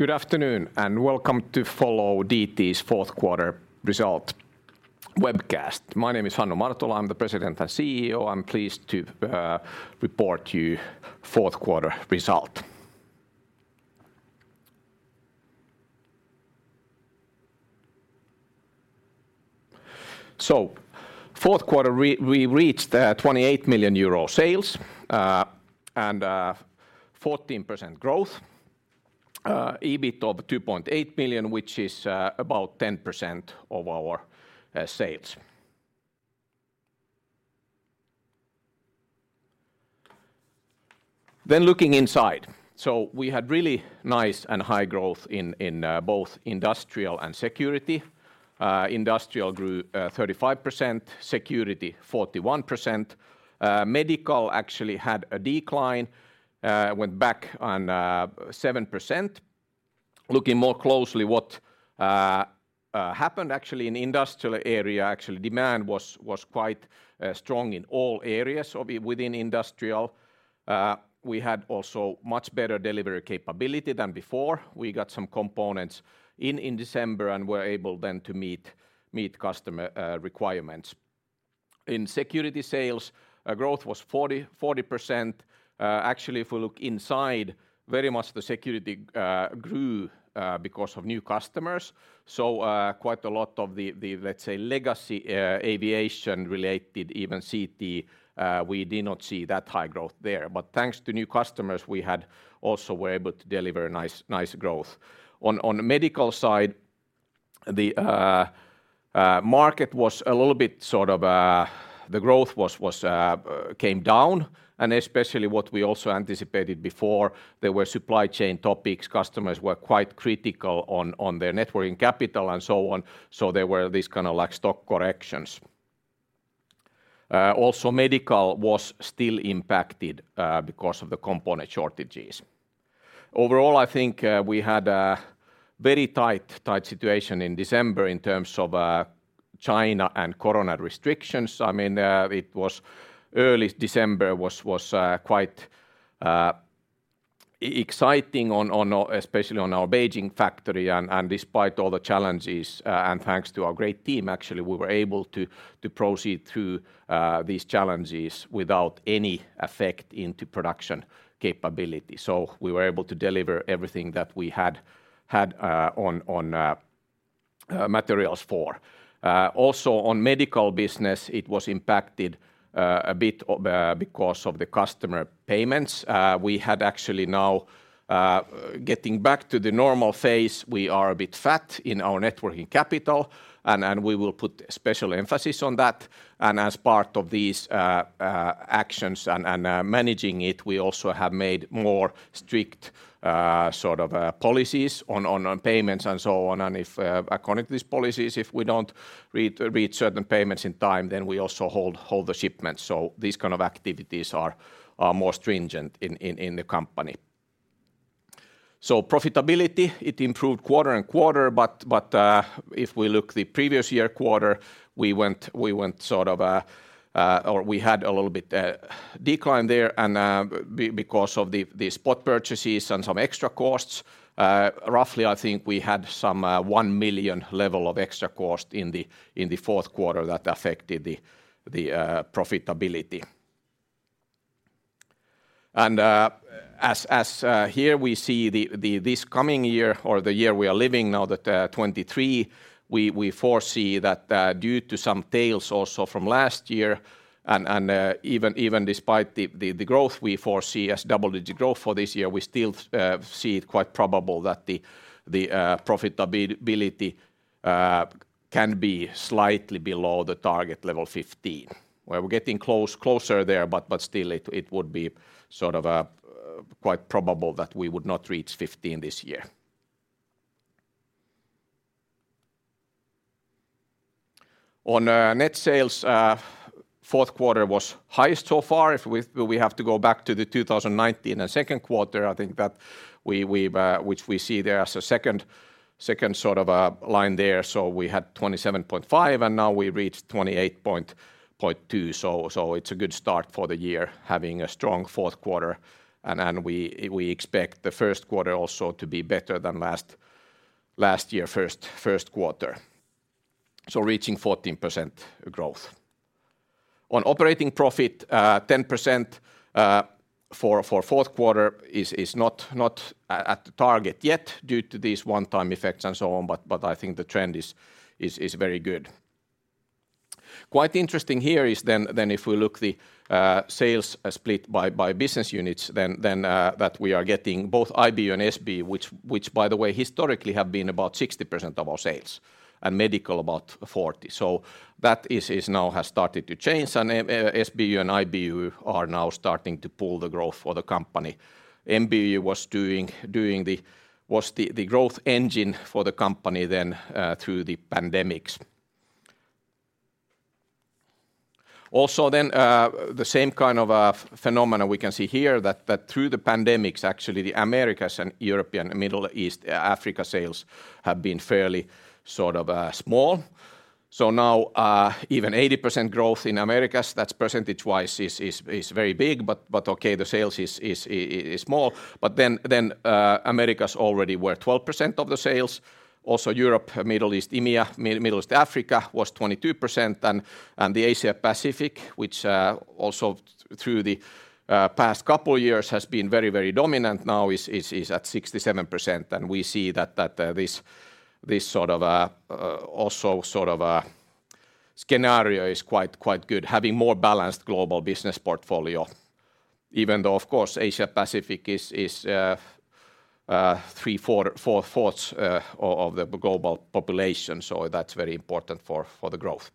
Good afternoon, welcome to follow DT's fourth quarter result webcast. My name is Hannu Martola. I'm the President and CEO. I'm pleased to report to you fourth quarter result. Fourth quarter, we reached 28 million euro sales, 14% growth. EBIT of 2.8 billion, which is about 10% of our sales. Looking inside. We had really nice and high growth in both industrial and security. Industrial grew 35%, security 41%. Medical actually had a decline, went back on 7%. Looking more closely what happened actually in industrial area, actually demand was quite strong in all areas of it within industrial. We had also much better delivery capability than before. We got some components in in December and were able then to meet customer requirements. In security sales, our growth was 40%. Actually, if we look inside, very much the security grew because of new customers. Quite a lot of the, let's say, legacy, aviation-related, even CT, we did not see that high growth there. Thanks to new customers, we had also were able to deliver nice growth. On the medical side, the market was a little bit sort of, the growth was came down and especially what we also anticipated before, there were supply chain topics, customers were quite critical on their net working capital and so on. There were these kind of like stock corrections. Also medical was still impacted because of the component shortages. Overall, I think we had a very tight situation in December in terms of China and corona restrictions. I mean, it was early December was quite exciting especially on our Beijing factory. Despite all the challenges and thanks to our great team, actually, we were able to proceed through these challenges without any effect into production capability. We were able to deliver everything that we had on materials for. Also on medical business, it was impacted a bit because of the customer payments. We had actually now getting back to the normal phase, we are a bit fat in our net working capital and we will put special emphasis on that. As part of these actions and managing it, we also have made more strict sort of policies on payments and so on. If according to these policies, if we don't reach certain payments in time, then we also hold the shipments. These kind of activities are more stringent in the company. Profitability, it improved quarter-and-quarter, but if we look the previous year quarter, we had a little bit decline there because of the spot purchases and some extra costs. Roughly, I think we had some 1 million level of extra cost in the fourth quarter that affected the profitability. As here we see the this coming year or the year we are living now that 2023, we foresee that due to some tails also from last year and even despite the growth we foresee as double-digit growth for this year, we still see it quite probable that the profitability can be slightly below the target level 15. Well, we're getting close, closer there, but still it would be sort of quite probable that we would not reach 15 this year. On net sales, fourth quarter was highest so far. If we have to go back to the 2019 second quarter, I think that we've which we see there as a second sort of line there. We had 27.5%, and now we reached 28.2%. It's a good start for the year, having a strong fourth quarter and we expect the first quarter also to be better than last year first quarter. Reaching 14% growth. On operating profit, 10% for fourth quarter is not at the target yet due to these one-time effects and so on, but I think the trend is very good. Quite interesting here is if we look the sales split by business units, that we are getting both IB and SB which by the way historically have been about 60% of our sales and medical about 40%. That is now has started to change and SBU and IBU are now starting to pull the growth for the company. MBU was doing the, was the growth engine for the company through the pandemic. Also, the same kind of phenomenon we can see here that through the pandemics, actually, the Americas and European, Middle East, Africa sales have been fairly sort of small. Now, even 80% growth in Americas, that's percentage-wise is very big, but okay, the sales is small. Americas already were 12% of the sales. Also Europe, Middle East, EMEA, Middle East, Africa was 22%, and the Asia Pacific, which also through the past couple years has been very, very dominant now is at 67%. We see that this sort of also sort of scenario is quite good, having more balanced global business portfolio. Even though, of course, Asia Pacific is three-four-four-fourths of the global population, so that's very important for the growth.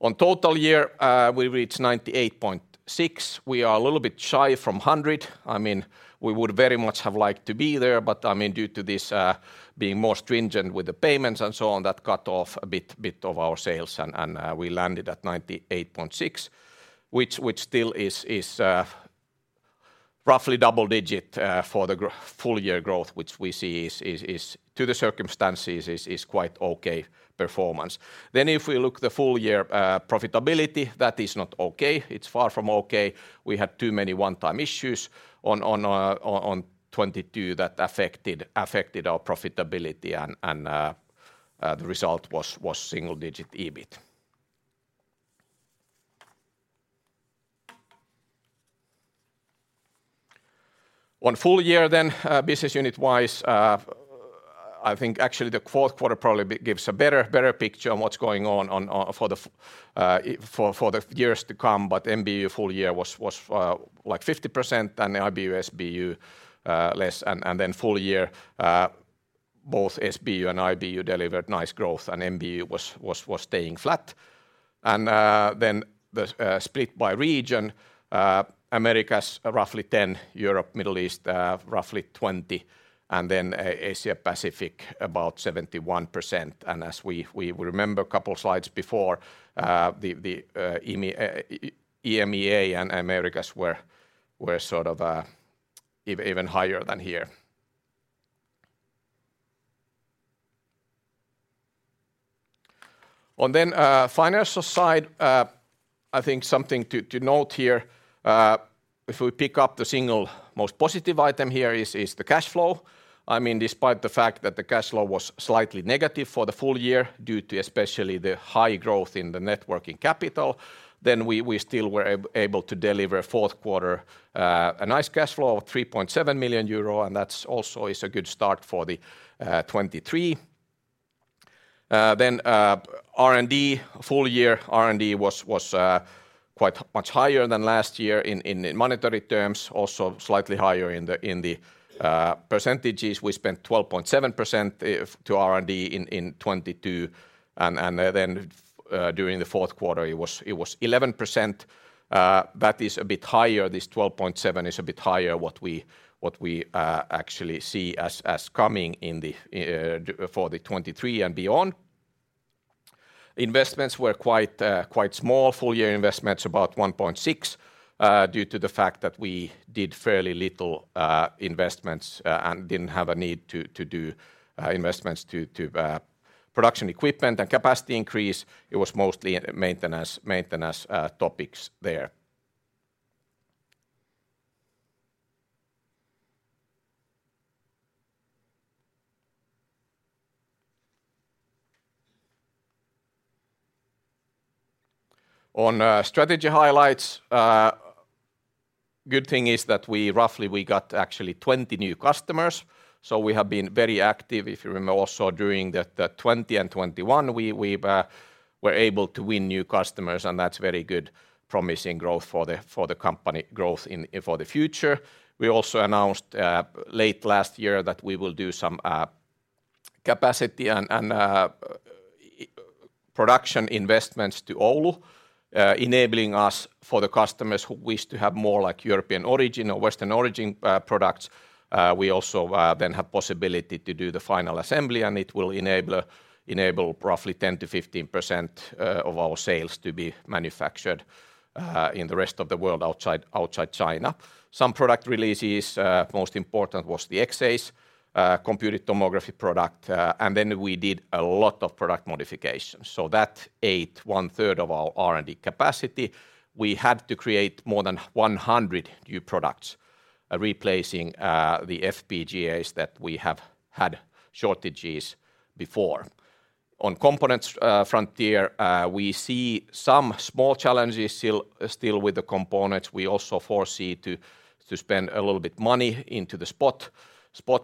On total year, we reached 98.6%. We are a little bit shy from 100%. I mean, we would very much have liked to be there, due to this being more stringent with the payments and so on, that cut off a bit of our sales and we landed at 98.6%, which still is roughly double digit for the full year growth, which we see is to the circumstances is quite okay performance. If we look the full year profitability, that is not okay. It's far from okay. We had too many one-time issues on 2022 that affected our profitability and the result was single-digit EBIT. One full year then business unit-wise, I think actually the fourth quarter probably gives a better picture on what's going on for the years to come, but MBU full year was like 50% and the IBU, SBU less. Full year, both SBU and IBU delivered nice growth and MBU was staying flat. The split by region, Americas roughly 10, Europe, Middle East roughly 20, and Asia Pacific about 71%. As we remember a couple slides before, the EMEA and Americas were sort of even higher than here. Financial side, I think something to note here, if we pick up the single most positive item here is the cash flow. I mean, despite the fact that the cash flow was slightly negative for the full year due to especially the high growth in the net working capital, we still were able to deliver fourth quarter a nice cash flow of 3.7 million euro. That's also is a good start for the 2023. R&D, full year R&D was quite much higher than last year in monetary terms, also slightly higher in the percentage. We spent 12.7% to R&D in 2022. During the fourth quarter it was 11%. That is a bit higher. This 12.7 is a bit higher what we actually see as coming in for the 2023 and beyond. Investments were quite small. Full year investments about 1.6 due to the fact that we did fairly little investments and didn't have a need to do investments to production equipment and capacity increase. It was mostly maintenance topics there. Strategy highlights, good thing is that we roughly got actually 20 new customers. We have been very active. If you remember also during the 2020 and 2021, we were able to win new customers, that's very good promising growth for the company, for the future. We also announced late last year that we will do some capacity and production investments to Oulu, enabling us for the customers who wish to have more like European origin or Western origin products. We also then have possibility to do the final assembly, it will enable roughly 10%-15% of our sales to be manufactured in the rest of the world outside China. Some product releases, most important was the X-rays Computed Tomography product, then we did a lot of product modifications. That ate one third of our R&D capacity. We had to create more than 100 new products, replacing the FPGAs that we have had shortages before. On components, frontier, we see some small challenges still with the components. We also foresee to spend a little bit money into the spot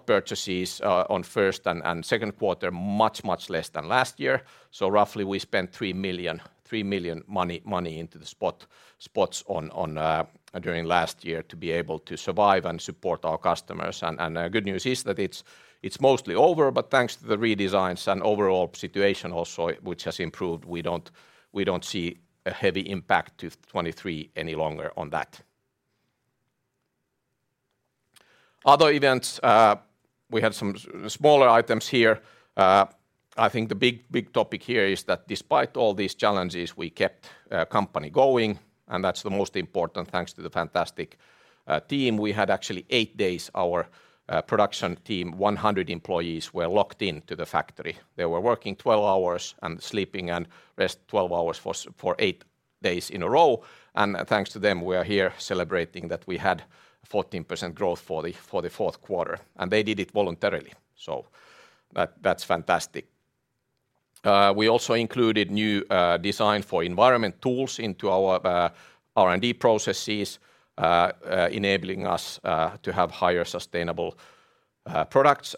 purchases on first and second quarter, much less than last year. Roughly we spent 3 million money into the spots on during last year to be able to survive and support our customers. Good news is that it's mostly over, but thanks to the redesigns and overall situation also which has improved, we don't see a heavy impact to 2023 any longer on that. Other events, we had some smaller items here. I think the big, big topic here is that despite all these challenges, we kept company going, and that's the most important thanks to the fantastic team. We had actually eight days our production team, 100 employees were locked into the factory. They were working 12 hours and sleeping and rest 12 hours for eight days in a row. Thanks to them, we are here celebrating that we had 14% growth for the fourth quarter, and they did it voluntarily. That's fantastic. We also included new Design for environment tools into our R&D processes, enabling us to have higher sustainable products.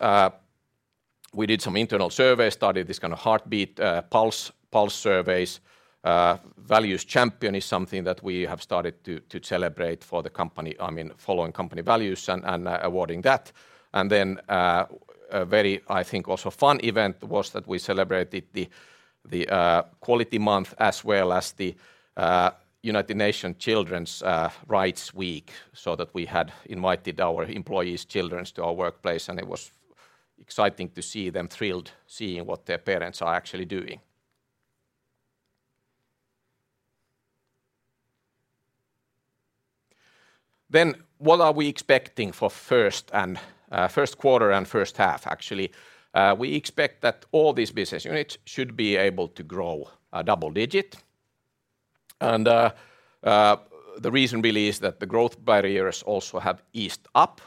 We did some internal surveys, started this kind of heartbeat pulse surveys. Values champion is something that we have started to celebrate for the company-- I mean following company values and awarding that. A very, I think, also fun event was that we celebrated the quality month as well as the United Nations Children's Rights Week, so that we had invited our employees' children to our workplace, and it was exciting to see them thrilled seeing what their parents are actually doing. What are we expecting for first quarter and first half, actually? We expect that all these business units should be able to grow double-digit. The reason really is that the growth barriers also have eased up.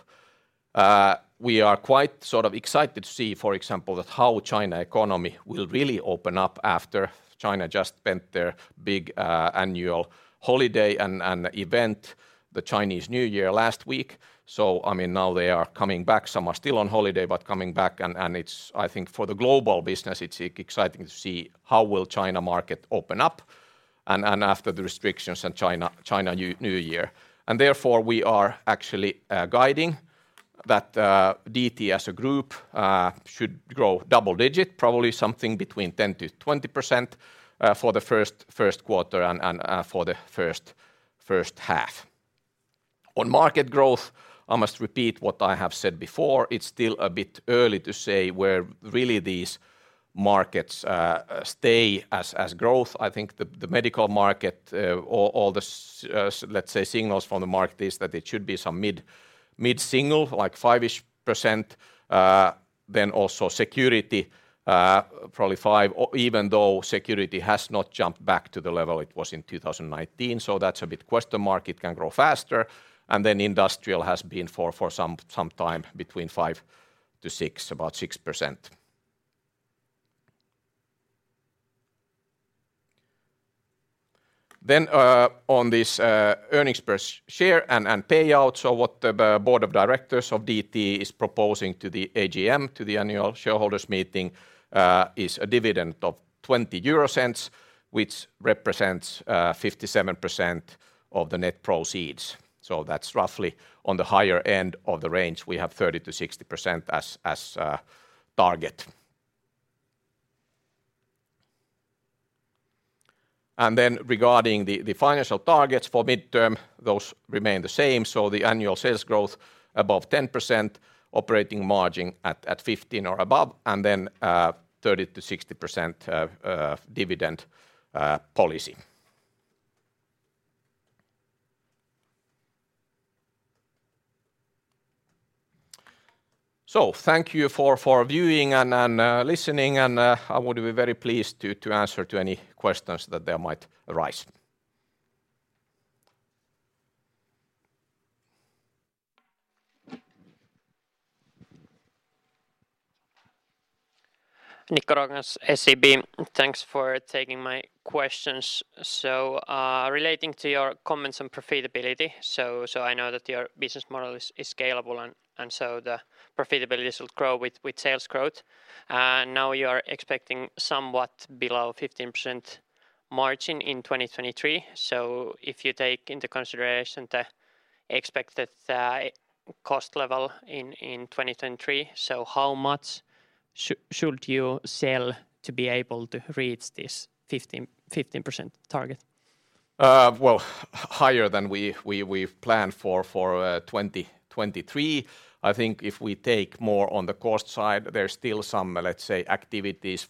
We are quite sort of excited to see, for example, that how China economy will really open up after China just spent their big annual holiday and event, the Chinese New Year last week. I mean, now they are coming back. Some are still on holiday, but coming back and it's, I think, for the global business, it's exciting to see how will China market open up and after the restrictions in China New Year. Therefore, we are actually guiding that DT as a group should grow double digit, probably something between 10%-20% for the first quarter and for the first half. On market growth, I must repeat what I have said before. It's still a bit early to say where really these markets stay as growth. I think the medical market, all let's say signals from the market is that it should be some mid-single, like 5-ish%. Also security, probably 5%, even though security has not jumped back to the level it was in 2019, so that's a bit question mark. It can grow faster. Industrial has been for some time between 5%-6%, about 6%. On this earnings per share and payout, so what the board of directors of DT is proposing to the AGM, to the annual shareholders meeting, is a dividend of 0.20, which represents 57% of the net proceeds. That's roughly on the higher end of the range. We have 30%-60% as target. Regarding the financial targets for midterm, those remain the same, so the annual sales growth above 10%, operating margin at 15% or above, and then 30%-60% dividend policy. Thank you for viewing and listening, and I would be very pleased to answer any questions that there might arise. Nicklas, SEB. Thanks for taking my questions. Relating to your comments on profitability, I know that your business model is scalable and so the profitability should grow with sales growth. Now you are expecting somewhat below 15% margin in 2023. If you take into consideration the expected cost level in 2023, how much should you sell to be able to reach this 15% target? Well, higher than we've planned for 2023. I think if we take more on the cost side, there's still some, let's say, activities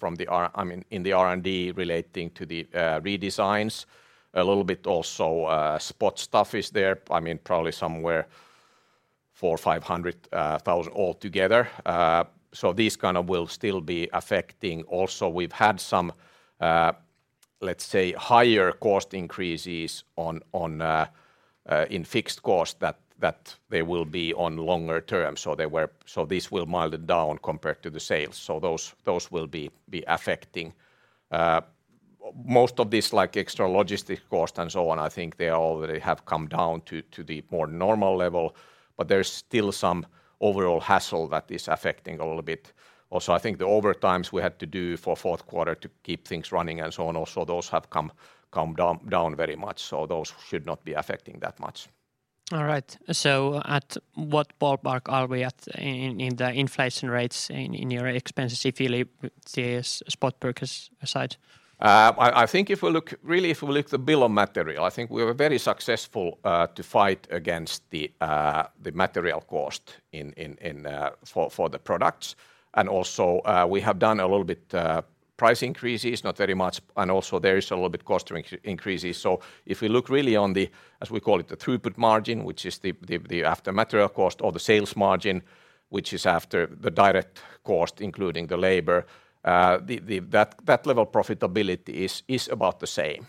in the R&D relating to the redesigns. A little bit also, spot stuff is there. I mean, probably somewhere 400,000-500,000 all together. These kind of will still be affecting. Also, we've had some, let's say, higher cost increases in fixed cost that they will be on longer term. This will mild it down compared to the sales. Those will be affecting most of this, like, extra logistic cost and so on. I think they already have come down to the more normal level. There's still some overall hassle that is affecting a little bit. I think the overtimes we had to do for fourth quarter to keep things running and so on, also those have come down very much. Those should not be affecting that much. All right. At what ballpark are we at in the inflation rates in your expenses if you leave the spot purchase aside? I think if we look, Really, if we look the Bill of Material, I think we were very successful to fight against the material cost in for the products. Also, we have done a little bit price increases, not very much, and also there is a little bit cost increases. If we look really on the, as we call it, the Throughput margin, which is the after material cost or the Sales Margin, which is after the direct cost including the labor. That level of profitability is about the same.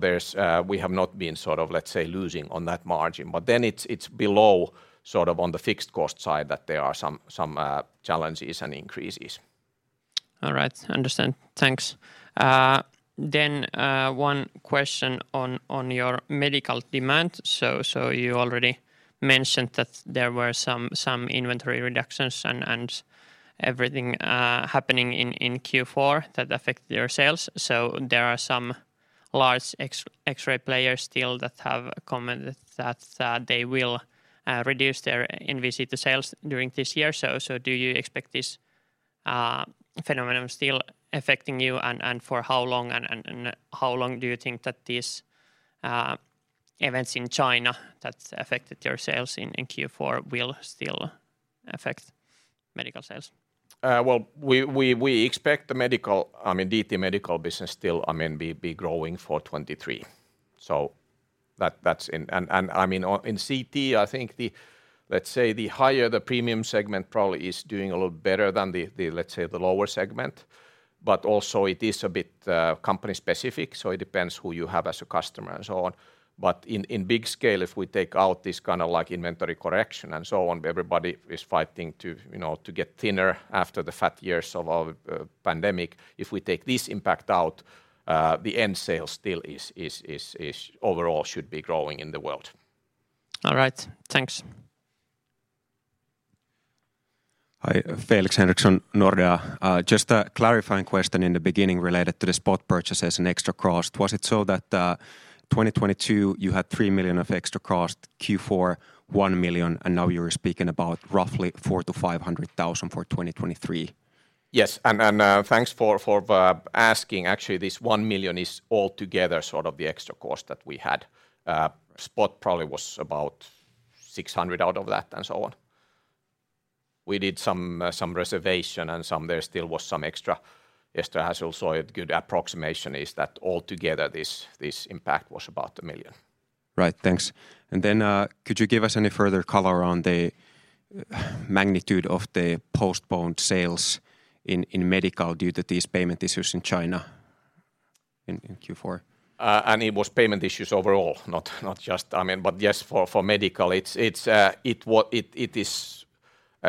There's we have not been sort of, let's say, losing on that margin. Then it's below sort of on the fixed cost side that there are some challenges and increases. All right. Understand. Thanks. One question on your medical demand. You already mentioned that there were some inventory reductions and everything happening in Q4 that affect your sales. There are some large X-ray players still that have commented that they will reduce their inventory sales during this year. Do you expect this phenomenon still affecting you, and for how long, and how long do you think that these events in China that affected your sales in Q4 will still affect medical sales? Well, we expect the medical, I mean, DT medical business still, I mean, be growing for 2023. That, that's in. I mean, in CT, I think the, let's say, the higher the premium segment probably is doing a little better than the, let's say, the lower segment. Also it is a bit company specific, so it depends who you have as a customer and so on. In big scale, if we take out this kind of like inventory correction and so on, everybody is fighting to, you know, to get thinner after the fat years of our pandemic. If we take this impact out, the end sale still is overall should be growing in the world. All right. Thanks. Hi. Felix Henriksson, Nordea. Just a clarifying question in the beginning related to the spot purchases and extra cost. Was it so that, 2022 you had 3 million of extra cost, Q4 1 million, and now you're speaking about roughly 400,000-500,000 for 2023? Yes. and thanks for asking. Actually, this 1 million is altogether sort of the extra cost that we had. Spot probably was about 600 out of that and so on. We did some reservation. There still was some extra. Esther has also a good approximation, is that altogether this impact was about 1 million. Right. Thanks. Then, could you give us any further color on the magnitude of the postponed sales in medical due to these payment issues in China in Q4? It was payment issues overall, not just, I mean, but yes, for medical, it is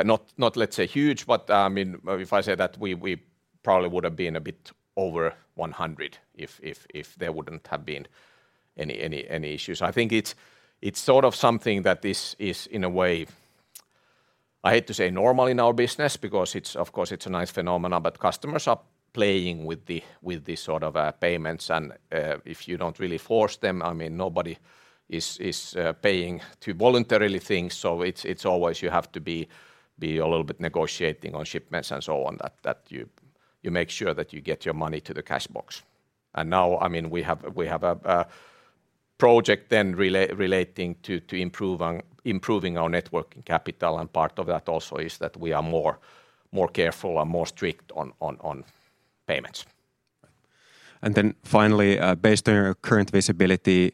not, let's say, huge, but, I mean, if I say that we probably would have been a bit over 100 if there wouldn't have been any issues. I think it's sort of something that this is in a way, I hate to say normal in our business because it's, of course, it's a nice phenomena, but customers are playing with the sort of payments and if you don't really force them, I mean, nobody is paying to voluntarily things. It's always you have to be a little bit negotiating on shipments and so on that you make sure that you get your money to the cash box. Now, I mean, we have a project then relating to improve improving our Net Working Capital, and part of that also is that we are more careful and more strict on payments. Finally, based on your current visibility,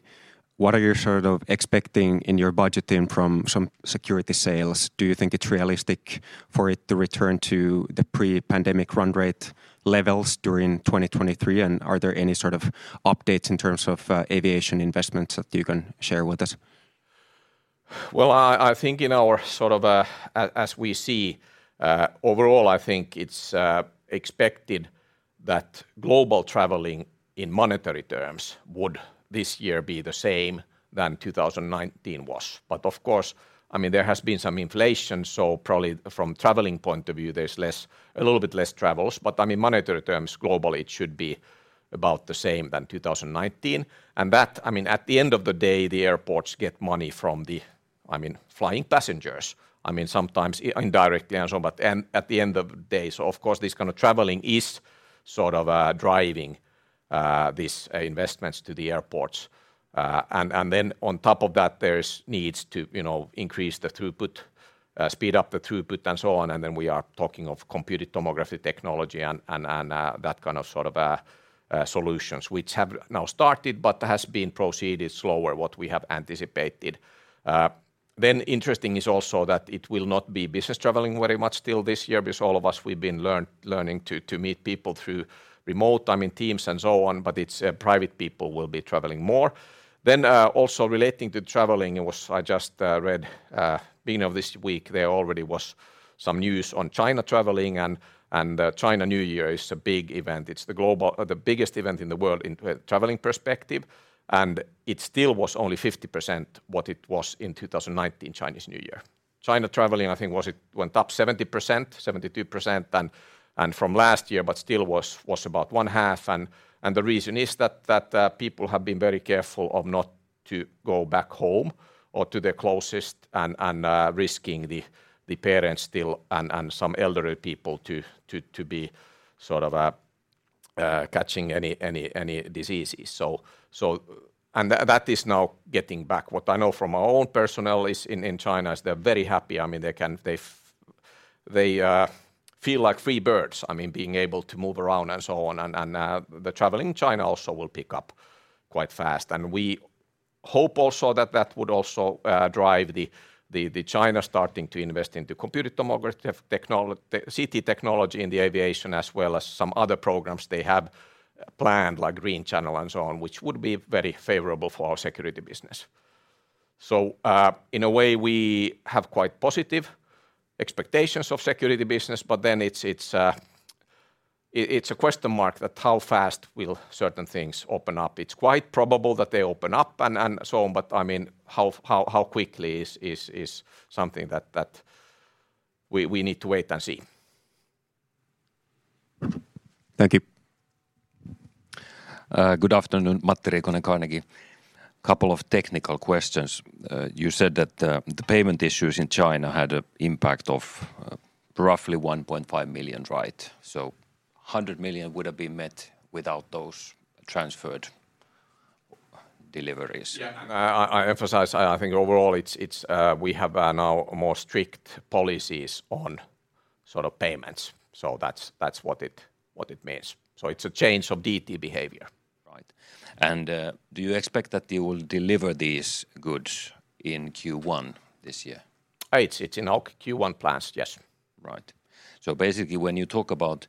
what are you sort of expecting in your budgeting from some security sales? Do you think it's realistic for it to return to the pre-pandemic run rate levels during 2023? Are there any sort of updates in terms of aviation investments that you can share with us? Well, I think in our sort of, as we see, overall, I think it's expected that global traveling in monetary terms would this year be the same than 2019 was. Of course, I mean, there has been some inflation, so probably from traveling point of view, there's less, a little bit less travels. I mean, monetary terms globally, it should be about the same than 2019. That, I mean, at the end of the day, the airports get money from the, I mean, flying passengers. I mean, sometimes indirectly and so on, but, and at the end of the day. Of course, this kind of traveling is sort of, driving, these investments to the airports. Then on top of that, there's needs to, you know, increase the throughput, speed up the throughput and so on, and then we are talking of Computed Tomography technology and that kind of sort of solutions, which have now started but has been proceeded slower what we have anticipated. Interesting is also that it will not be business traveling very much still this year because all of us we've been learning to meet people through remote, I mean, Teams and so on, but it's private people will be traveling more. Also relating to traveling, I just read beginning of this week there already was some news on China traveling and Chinese New Year is a big event. It's the biggest event in the world in traveling perspective. It still was only 50% what it was in 2019 Chinese New Year. China traveling, I think was it went up 70%-72% from last year, still was about one half. The reason is that people have been very careful of not to go back home or to their closest and risking the parents still and some elderly people to be sort of catching any diseases. That is now getting back. What I know from our own personnel in China is they're very happy. I mean, they feel like free birds, I mean, being able to move around and so on. The travel in China also will pick up quite fast. We hope also that that would also drive the China starting to invest into Computed Tomography CT technology in the aviation as well as some other programs they have planned, like green channel and so on, which would be very favorable for our security business. In a way, we have quite positive expectations of security business, it's a question mark that how fast will certain things open up. It's quite probable that they open up and so on, I mean, how quickly is something we need to wait and see. Thank you. Good afternoon. Matti Riikonen, Carnegie. Couple of technical questions. You said that the payment issues in China had a impact of roughly 1.5 million, right? 100 million would have been met without those transferred deliveries. Yeah. I emphasize, I think overall it's we have now more strict policies on sort of payments, so that's what it means. It's a change of DT behavior. Right. Do you expect that you will deliver these goods in Q1 this year? It's in our Q1 plans, yes. Basically when you talk about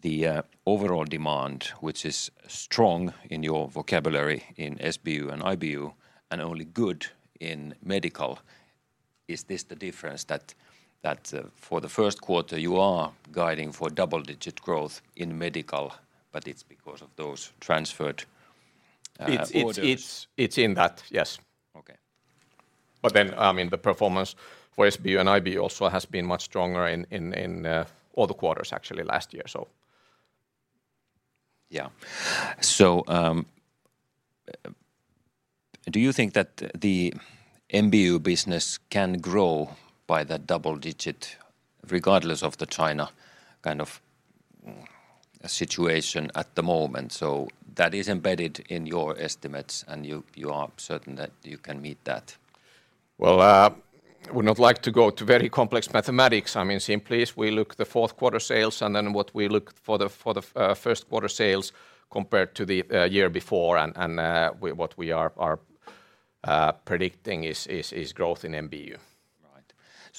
the overall demand, which is strong in your vocabulary in SBU and IBU and only good in medical, is this the difference that for the first quarter, you are guiding for double-digit growth in medical, but it's because of those transferred orders? It's in that, yes. Okay. I mean, the performance for SBU and IB also has been much stronger in all the quarters actually last year, so. Yeah. Do you think that the MBU business can grow by the double-digit regardless of the China kind of situation at the moment, so that is embedded in your estimates and you are certain that you can meet that? Well, would not like to go to very complex mathematics. I mean, simply if we look the fourth quarter sales and then what we look for the first quarter sales compared to the year before and what we are predicting is growth in MBU.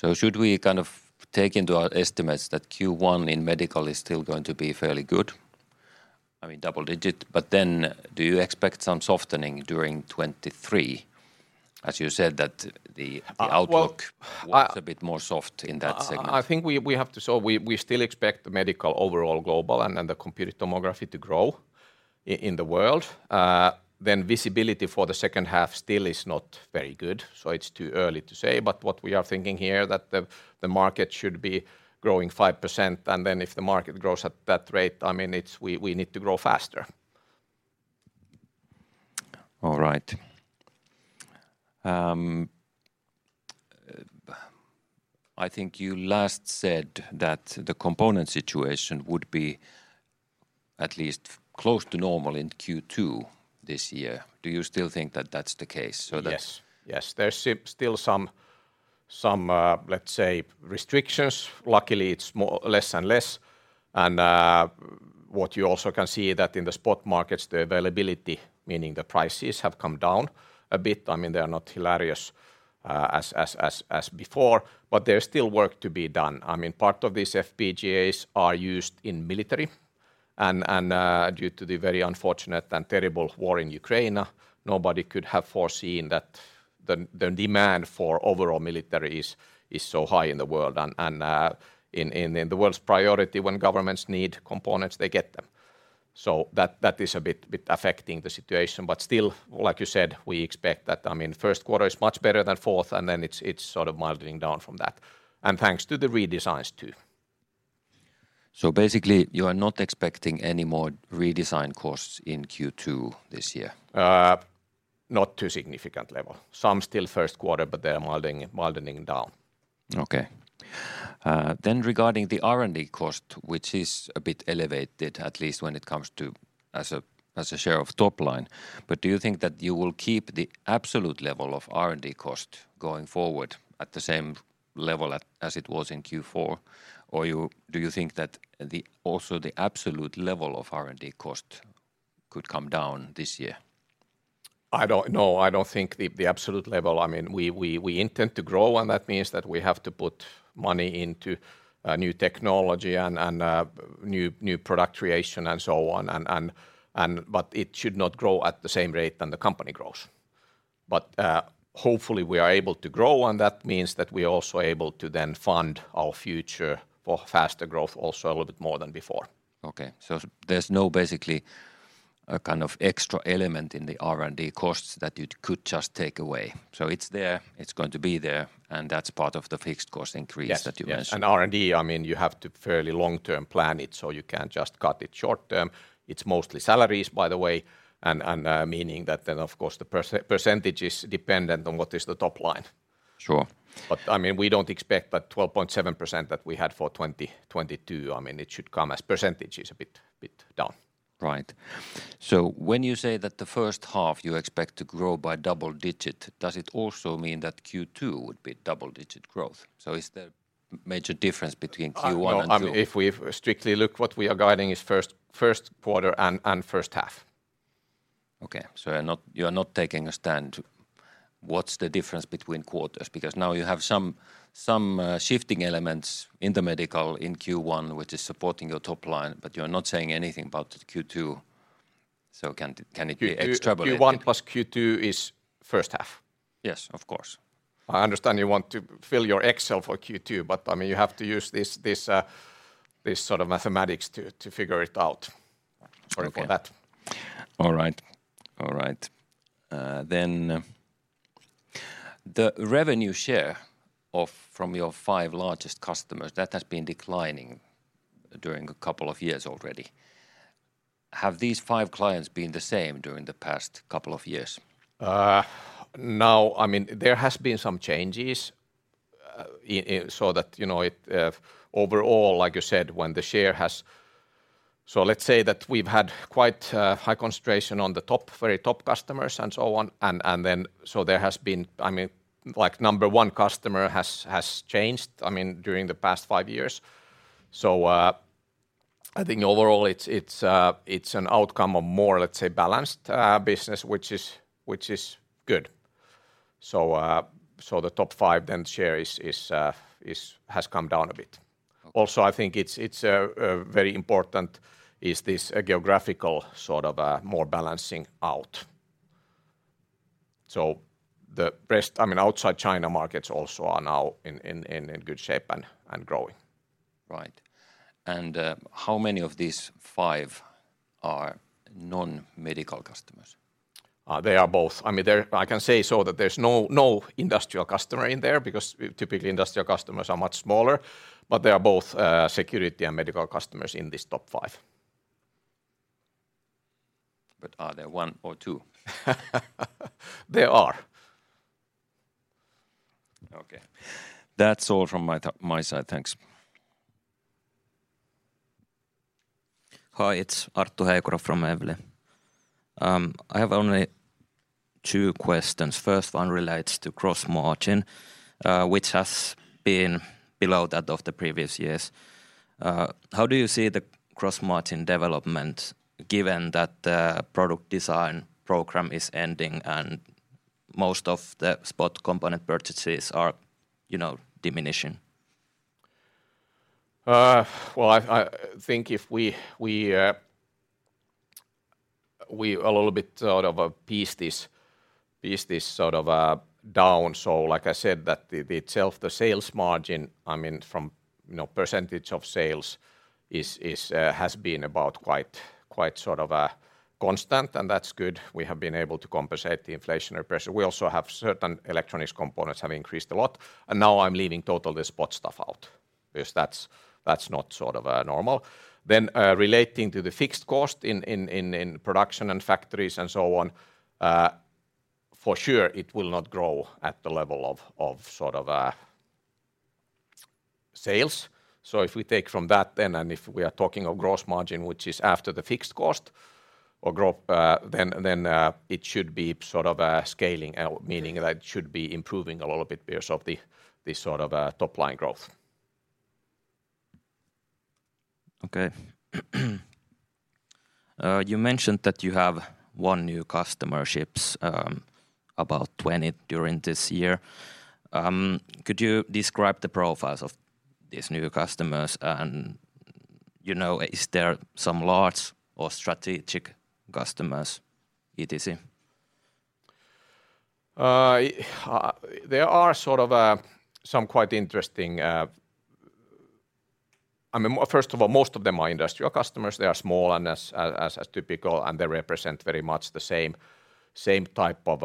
Right. Should we kind of take into our estimates that Q1 in medical is still going to be fairly good, I mean double digit, but then do you expect some softening during 2023 as you said that? Uh, well- the outlook was a bit more soft in that segment? I think we have to. We still expect the medical overall global and then the Computed Tomography to grow in the world. Visibility for the second half still is not very good, so it's too early to say. What we are thinking here that the market should be growing 5%, and then if the market grows at that rate, I mean, we need to grow faster. All right. I think you last said that the component situation would be at least close to normal in Q2 this year. Do you still think that that's the case? Yes. Yes. There's still some, let's say restrictions. Luckily, it's more... less and less. What you also can see that in the spot markets, the availability, meaning the prices, have come down a bit. I mean, they are not hilarious, as before, but there's still work to be done. I mean, part of these FPGAs are used in military and due to the very unfortunate and terrible war in Ukraine, nobody could have foreseen that the demand for overall military is so high in the world and in the world's priority when governments need components, they get them. That is a bit affecting the situation. Still, like you said, we expect that, I mean, first quarter is much better than fourth and then it's sort of moving down from that, and thanks to the redesigns too. Basically you are not expecting any more redesign costs in Q2 this year? not to a significant level. Some still first quarter, but they are mildening down. Regarding the R&D cost, which is a bit elevated, at least when it comes to as a share of top line, but do you think that you will keep the absolute level of R&D cost going forward at the same level as it was in Q4? Do you think that the also the absolute level of R&D cost could come down this year? No, I don't think the absolute level. I mean, we intend to grow and that means that we have to put money into new technology and new product creation and so on. it should not grow at the same rate than the company grows. hopefully we are able to grow and that means that we're also able to then fund our future for faster growth also a little bit more than before. Okay. There's no basically a kind of extra element in the R&D costs that you could just take away. It's there, it's going to be there, and that's part of the fixed cost increase that you mentioned. Yes. Yes. R&D, I mean, you have to fairly long-term plan it, so you can't just cut it short-term. It's mostly salaries, by the way, and meaning that then, of course, the percentage is dependent on what is the top line. Sure. I mean, we don't expect that 12.7% that we had for 2022. I mean, it should come as percentage is a bit down. Right. When you say that the first half you expect to grow by double-digit, does it also mean that Q2 would be double-digit growth? Is there major difference between Q1? No, I mean, if we've strictly look what we are guiding is first quarter and first half. Okay. You're not taking a stand what's the difference between quarters, because now you have some shifting elements in the medical in Q1, which is supporting your top line, but you're not saying anything about Q2. Can it be extrapolated? Q1+Q2 is first half. Yes, of course. I understand you want to fill your Excel for Q2, but, I mean, you have to use this sort of mathematics to figure it out. Sorry for that. Okay. All right. All right. The revenue share of from your five largest customers, that has been declining during a couple of years already. Have these five clients been the same during the past couple of years? Now, I mean, there has been some changes in so that, you know, it overall, like you said. Let's say that we've had quite a high concentration on the top, very top customers and so on, and then so there has been. I mean, like, number one customer has changed, I mean, during the past five years. I think overall it's an outcome of more, let's say, balanced business which is, which is good. The top five then share is, has come down a bit. Also, I think it's very important is this geographical sort of more balancing out. The rest, I mean, outside China markets also are now in good shape and growing. Right. How many of these 5 are non-medical customers? They are both. I mean, they're, I can say so that there's no industrial customer in there because typically industrial customers are much smaller. There are both, security and medical customers in this top five. Are there one or two? There are. Okay. That's all from my side. Thanks. Hi, it's Aris Herodotos from Evli. I have only two questions. First one relates to Gross margin, which has been below that of the previous years. How do you see the Gross margin development given that the product design program is ending and most of the spot component purchases are, you know, diminishing? Well, I think if we a little bit sort of piece this sort of down. Like I said, that the itself, the sales margin, I mean, from, you know, percentage of sales is has been about quite sort of constant, and that's good. We have been able to compensate the inflationary pressure. We also have certain electronics components have increased a lot, and now I'm leaving totally spot stuff out because that's not sort of normal. Relating to the fixed cost in production and factories and so on, for sure it will not grow at the level of sort of sales. If we take from that then and if we are talking of gross margin which is after the fixed cost, then it should be sort of scaling, meaning that it should be improving a little bit because of the this sort of top line growth. Okay. You mentioned that you have one new customer ships, about 20 during this year. Could you describe the profiles of these new customers and, you know, is there some large or strategic customers etc.? There are sort of some quite interesting. I mean, first of all, most of them are industrial customers. They are small and as typical, and they represent very much the same type of,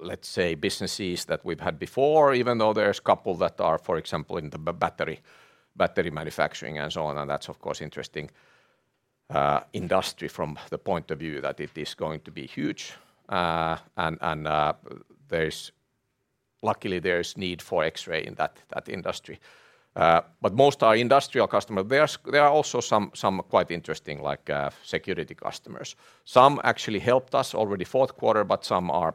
let's say, businesses that we've had before even though there's couple that are, for example, in the battery manufacturing and so on. That's of course interesting industry from the point of view that it is going to be huge. Luckily there is need for X-ray in that industry. Most are industrial customer. There are also some quite interesting like security customers. Some actually helped us already fourth quarter, but some are,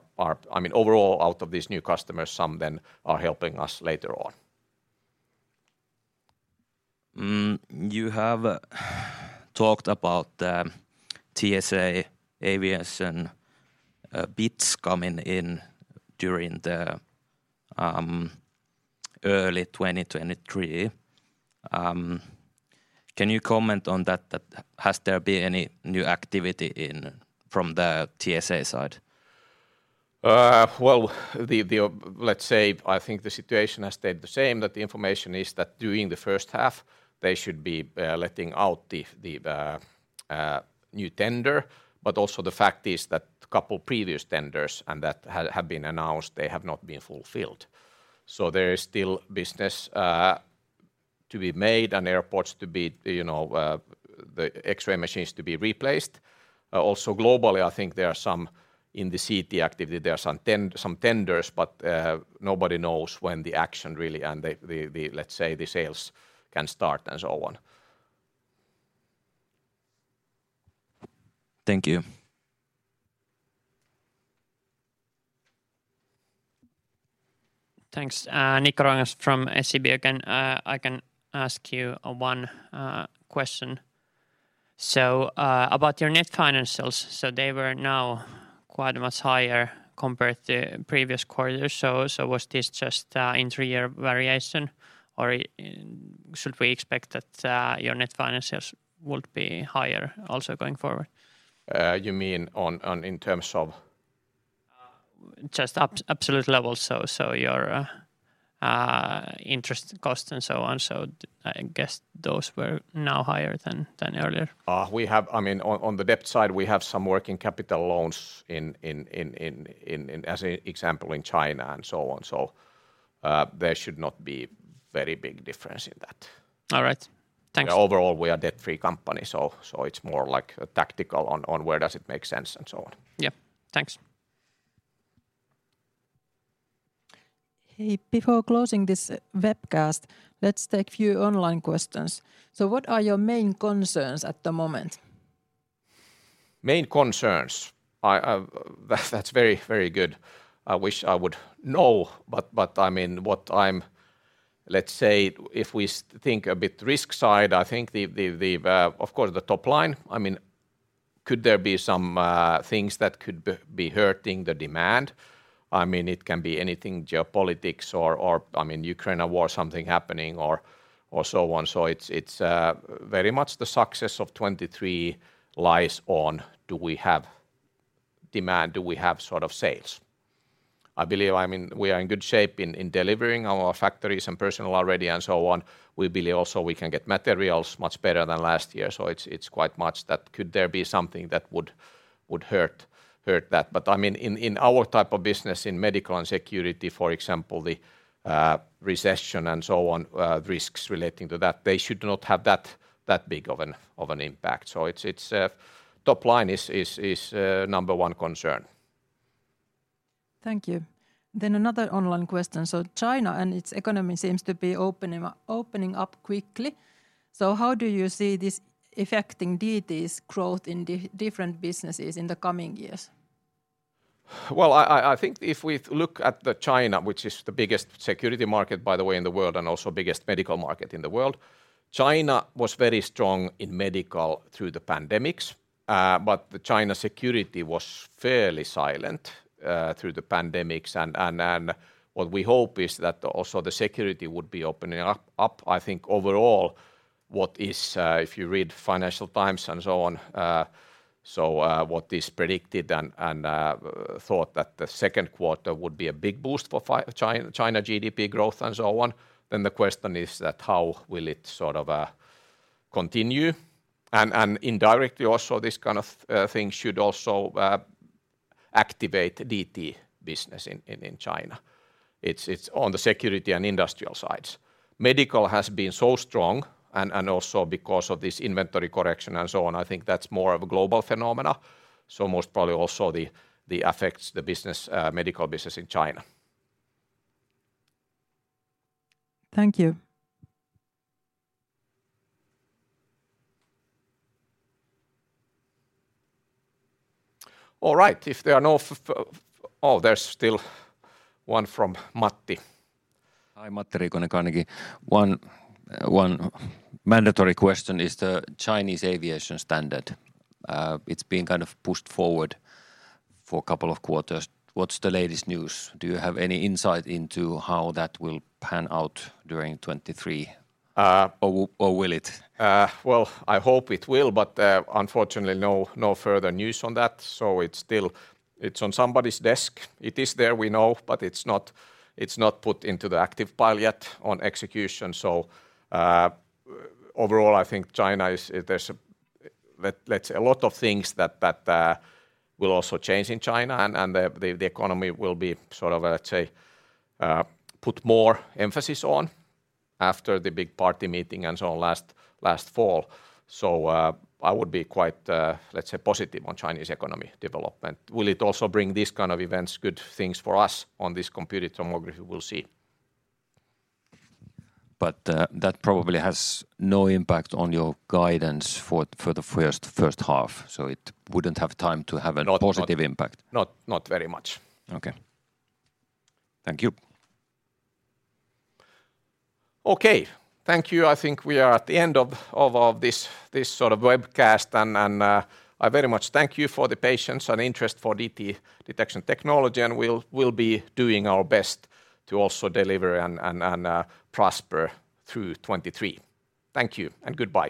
I mean, overall out of these new customers, some then are helping us later on. You have talked about the TSA Aviation bits coming in during the early 2023. Can you comment on that, has there been any new activity in from the TSA side? Well, let's say I think the situation has stayed the same, that the information is that during the first half they should be letting out the new tender. Also the fact is that a couple previous tenders and that have been announced, they have not been fulfilled. There is still business to be made and airports to be, you know, the X-ray machines to be replaced. Also globally I think there are some in the CT activity there are some tenders, but nobody knows when the action really and let's say, the sales can start and so on. Thank you. Thanks. Niklas from SEB again. I can ask you, one question. About your net financials, they were now quite much higher compared to previous quarters. Was this just an intra-year variation, or should we expect that your net financials would be higher also going forward? You mean on, in terms of? Just absolute levels. Your interest cost and so on. I guess those were now higher than earlier. I mean, on the debt side we have some working capital loans in as an example in China and so on, there should not be very big difference in that. All right. Thanks. Overall we are debt-free company, so it's more like a tactical on where does it make sense and so on. Yeah. Thanks. Hey, before closing this webcast, let's take few online questions. What are your main concerns at the moment? Main concerns. I, that's very good. I wish I would know, but I mean, Let's say if we think a bit risk side, I think the, of course the top line. I mean, could there be some things that could be hurting the demand? I mean, it can be anything, geopolitics or, I mean, Ukraine war something happening or so on. It's very much the success of 2023 lies on do we have demand, do we have sort of sales. I believe, I mean, we are in good shape in delivering. Our factories and personal are ready and so on. We believe also we can get materials much better than last year, it's quite much that could there be something that would hurt that. I mean, in our type of business in medical and security, for example, the recession and so on, risks relating to that, they should not have that big of an impact. It's top line is number one concern. Thank you. Another online question. China and its economy seems to be opening up quickly, how do you see this affecting DT's growth in different businesses in the coming years? Well, I think if we look at the China, which is the biggest security market, by the way, in the world, and also biggest medical market in the world, China was very strong in medical through the pandemics. But the China security was fairly silent through the pandemics. What we hope is that also the security would be opening up. I think overall what is, if you read Financial Times and so on, so, what is predicted and thought that the second quarter would be a big boost for China GDP growth and so on, then the question is that how will it sort of, continue. Indirectly also this kind of thing should also activate DT business in China. It's on the security and industrial sides. Medical has been so strong and also because of this inventory correction and so on, I think that's more of a global phenomenon so most probably also the affects the business, medical business in China. Thank you. All right. If there are no Oh, there's still one from Matti. Hi. Matti Riikonen, Carnegie. One mandatory question is the Chinese aviation standard. It's been kind of pushed forward for couple of quarters. What's the latest news? Do you have any insight into how that will pan out during 2023, or will it? Well, I hope it will, but unfortunately no further news on that. It's still on somebody's desk. It is there, we know, but it's not, it's not put into the active pile yet on execution. Overall I think China is, there's a lot of things that will also change in China and the economy will be sort of, let's say, put more emphasis on after the big party meeting and so on last fall. I would be quite, let's say, positive on Chinese economy development. Will it also bring these kind of events good things for us on this Computed Tomography? We'll see. That probably has no impact on your guidance for the first half, so it wouldn't have time to have. No. ...positive impact. not very much. Okay. Thank you. Okay. Thank you. I think we are at the end of this sort of webcast. I very much thank you for the patience and interest for DT Detection Technology, we'll be doing our best to also deliver and prosper through 2023. Thank you and goodbye.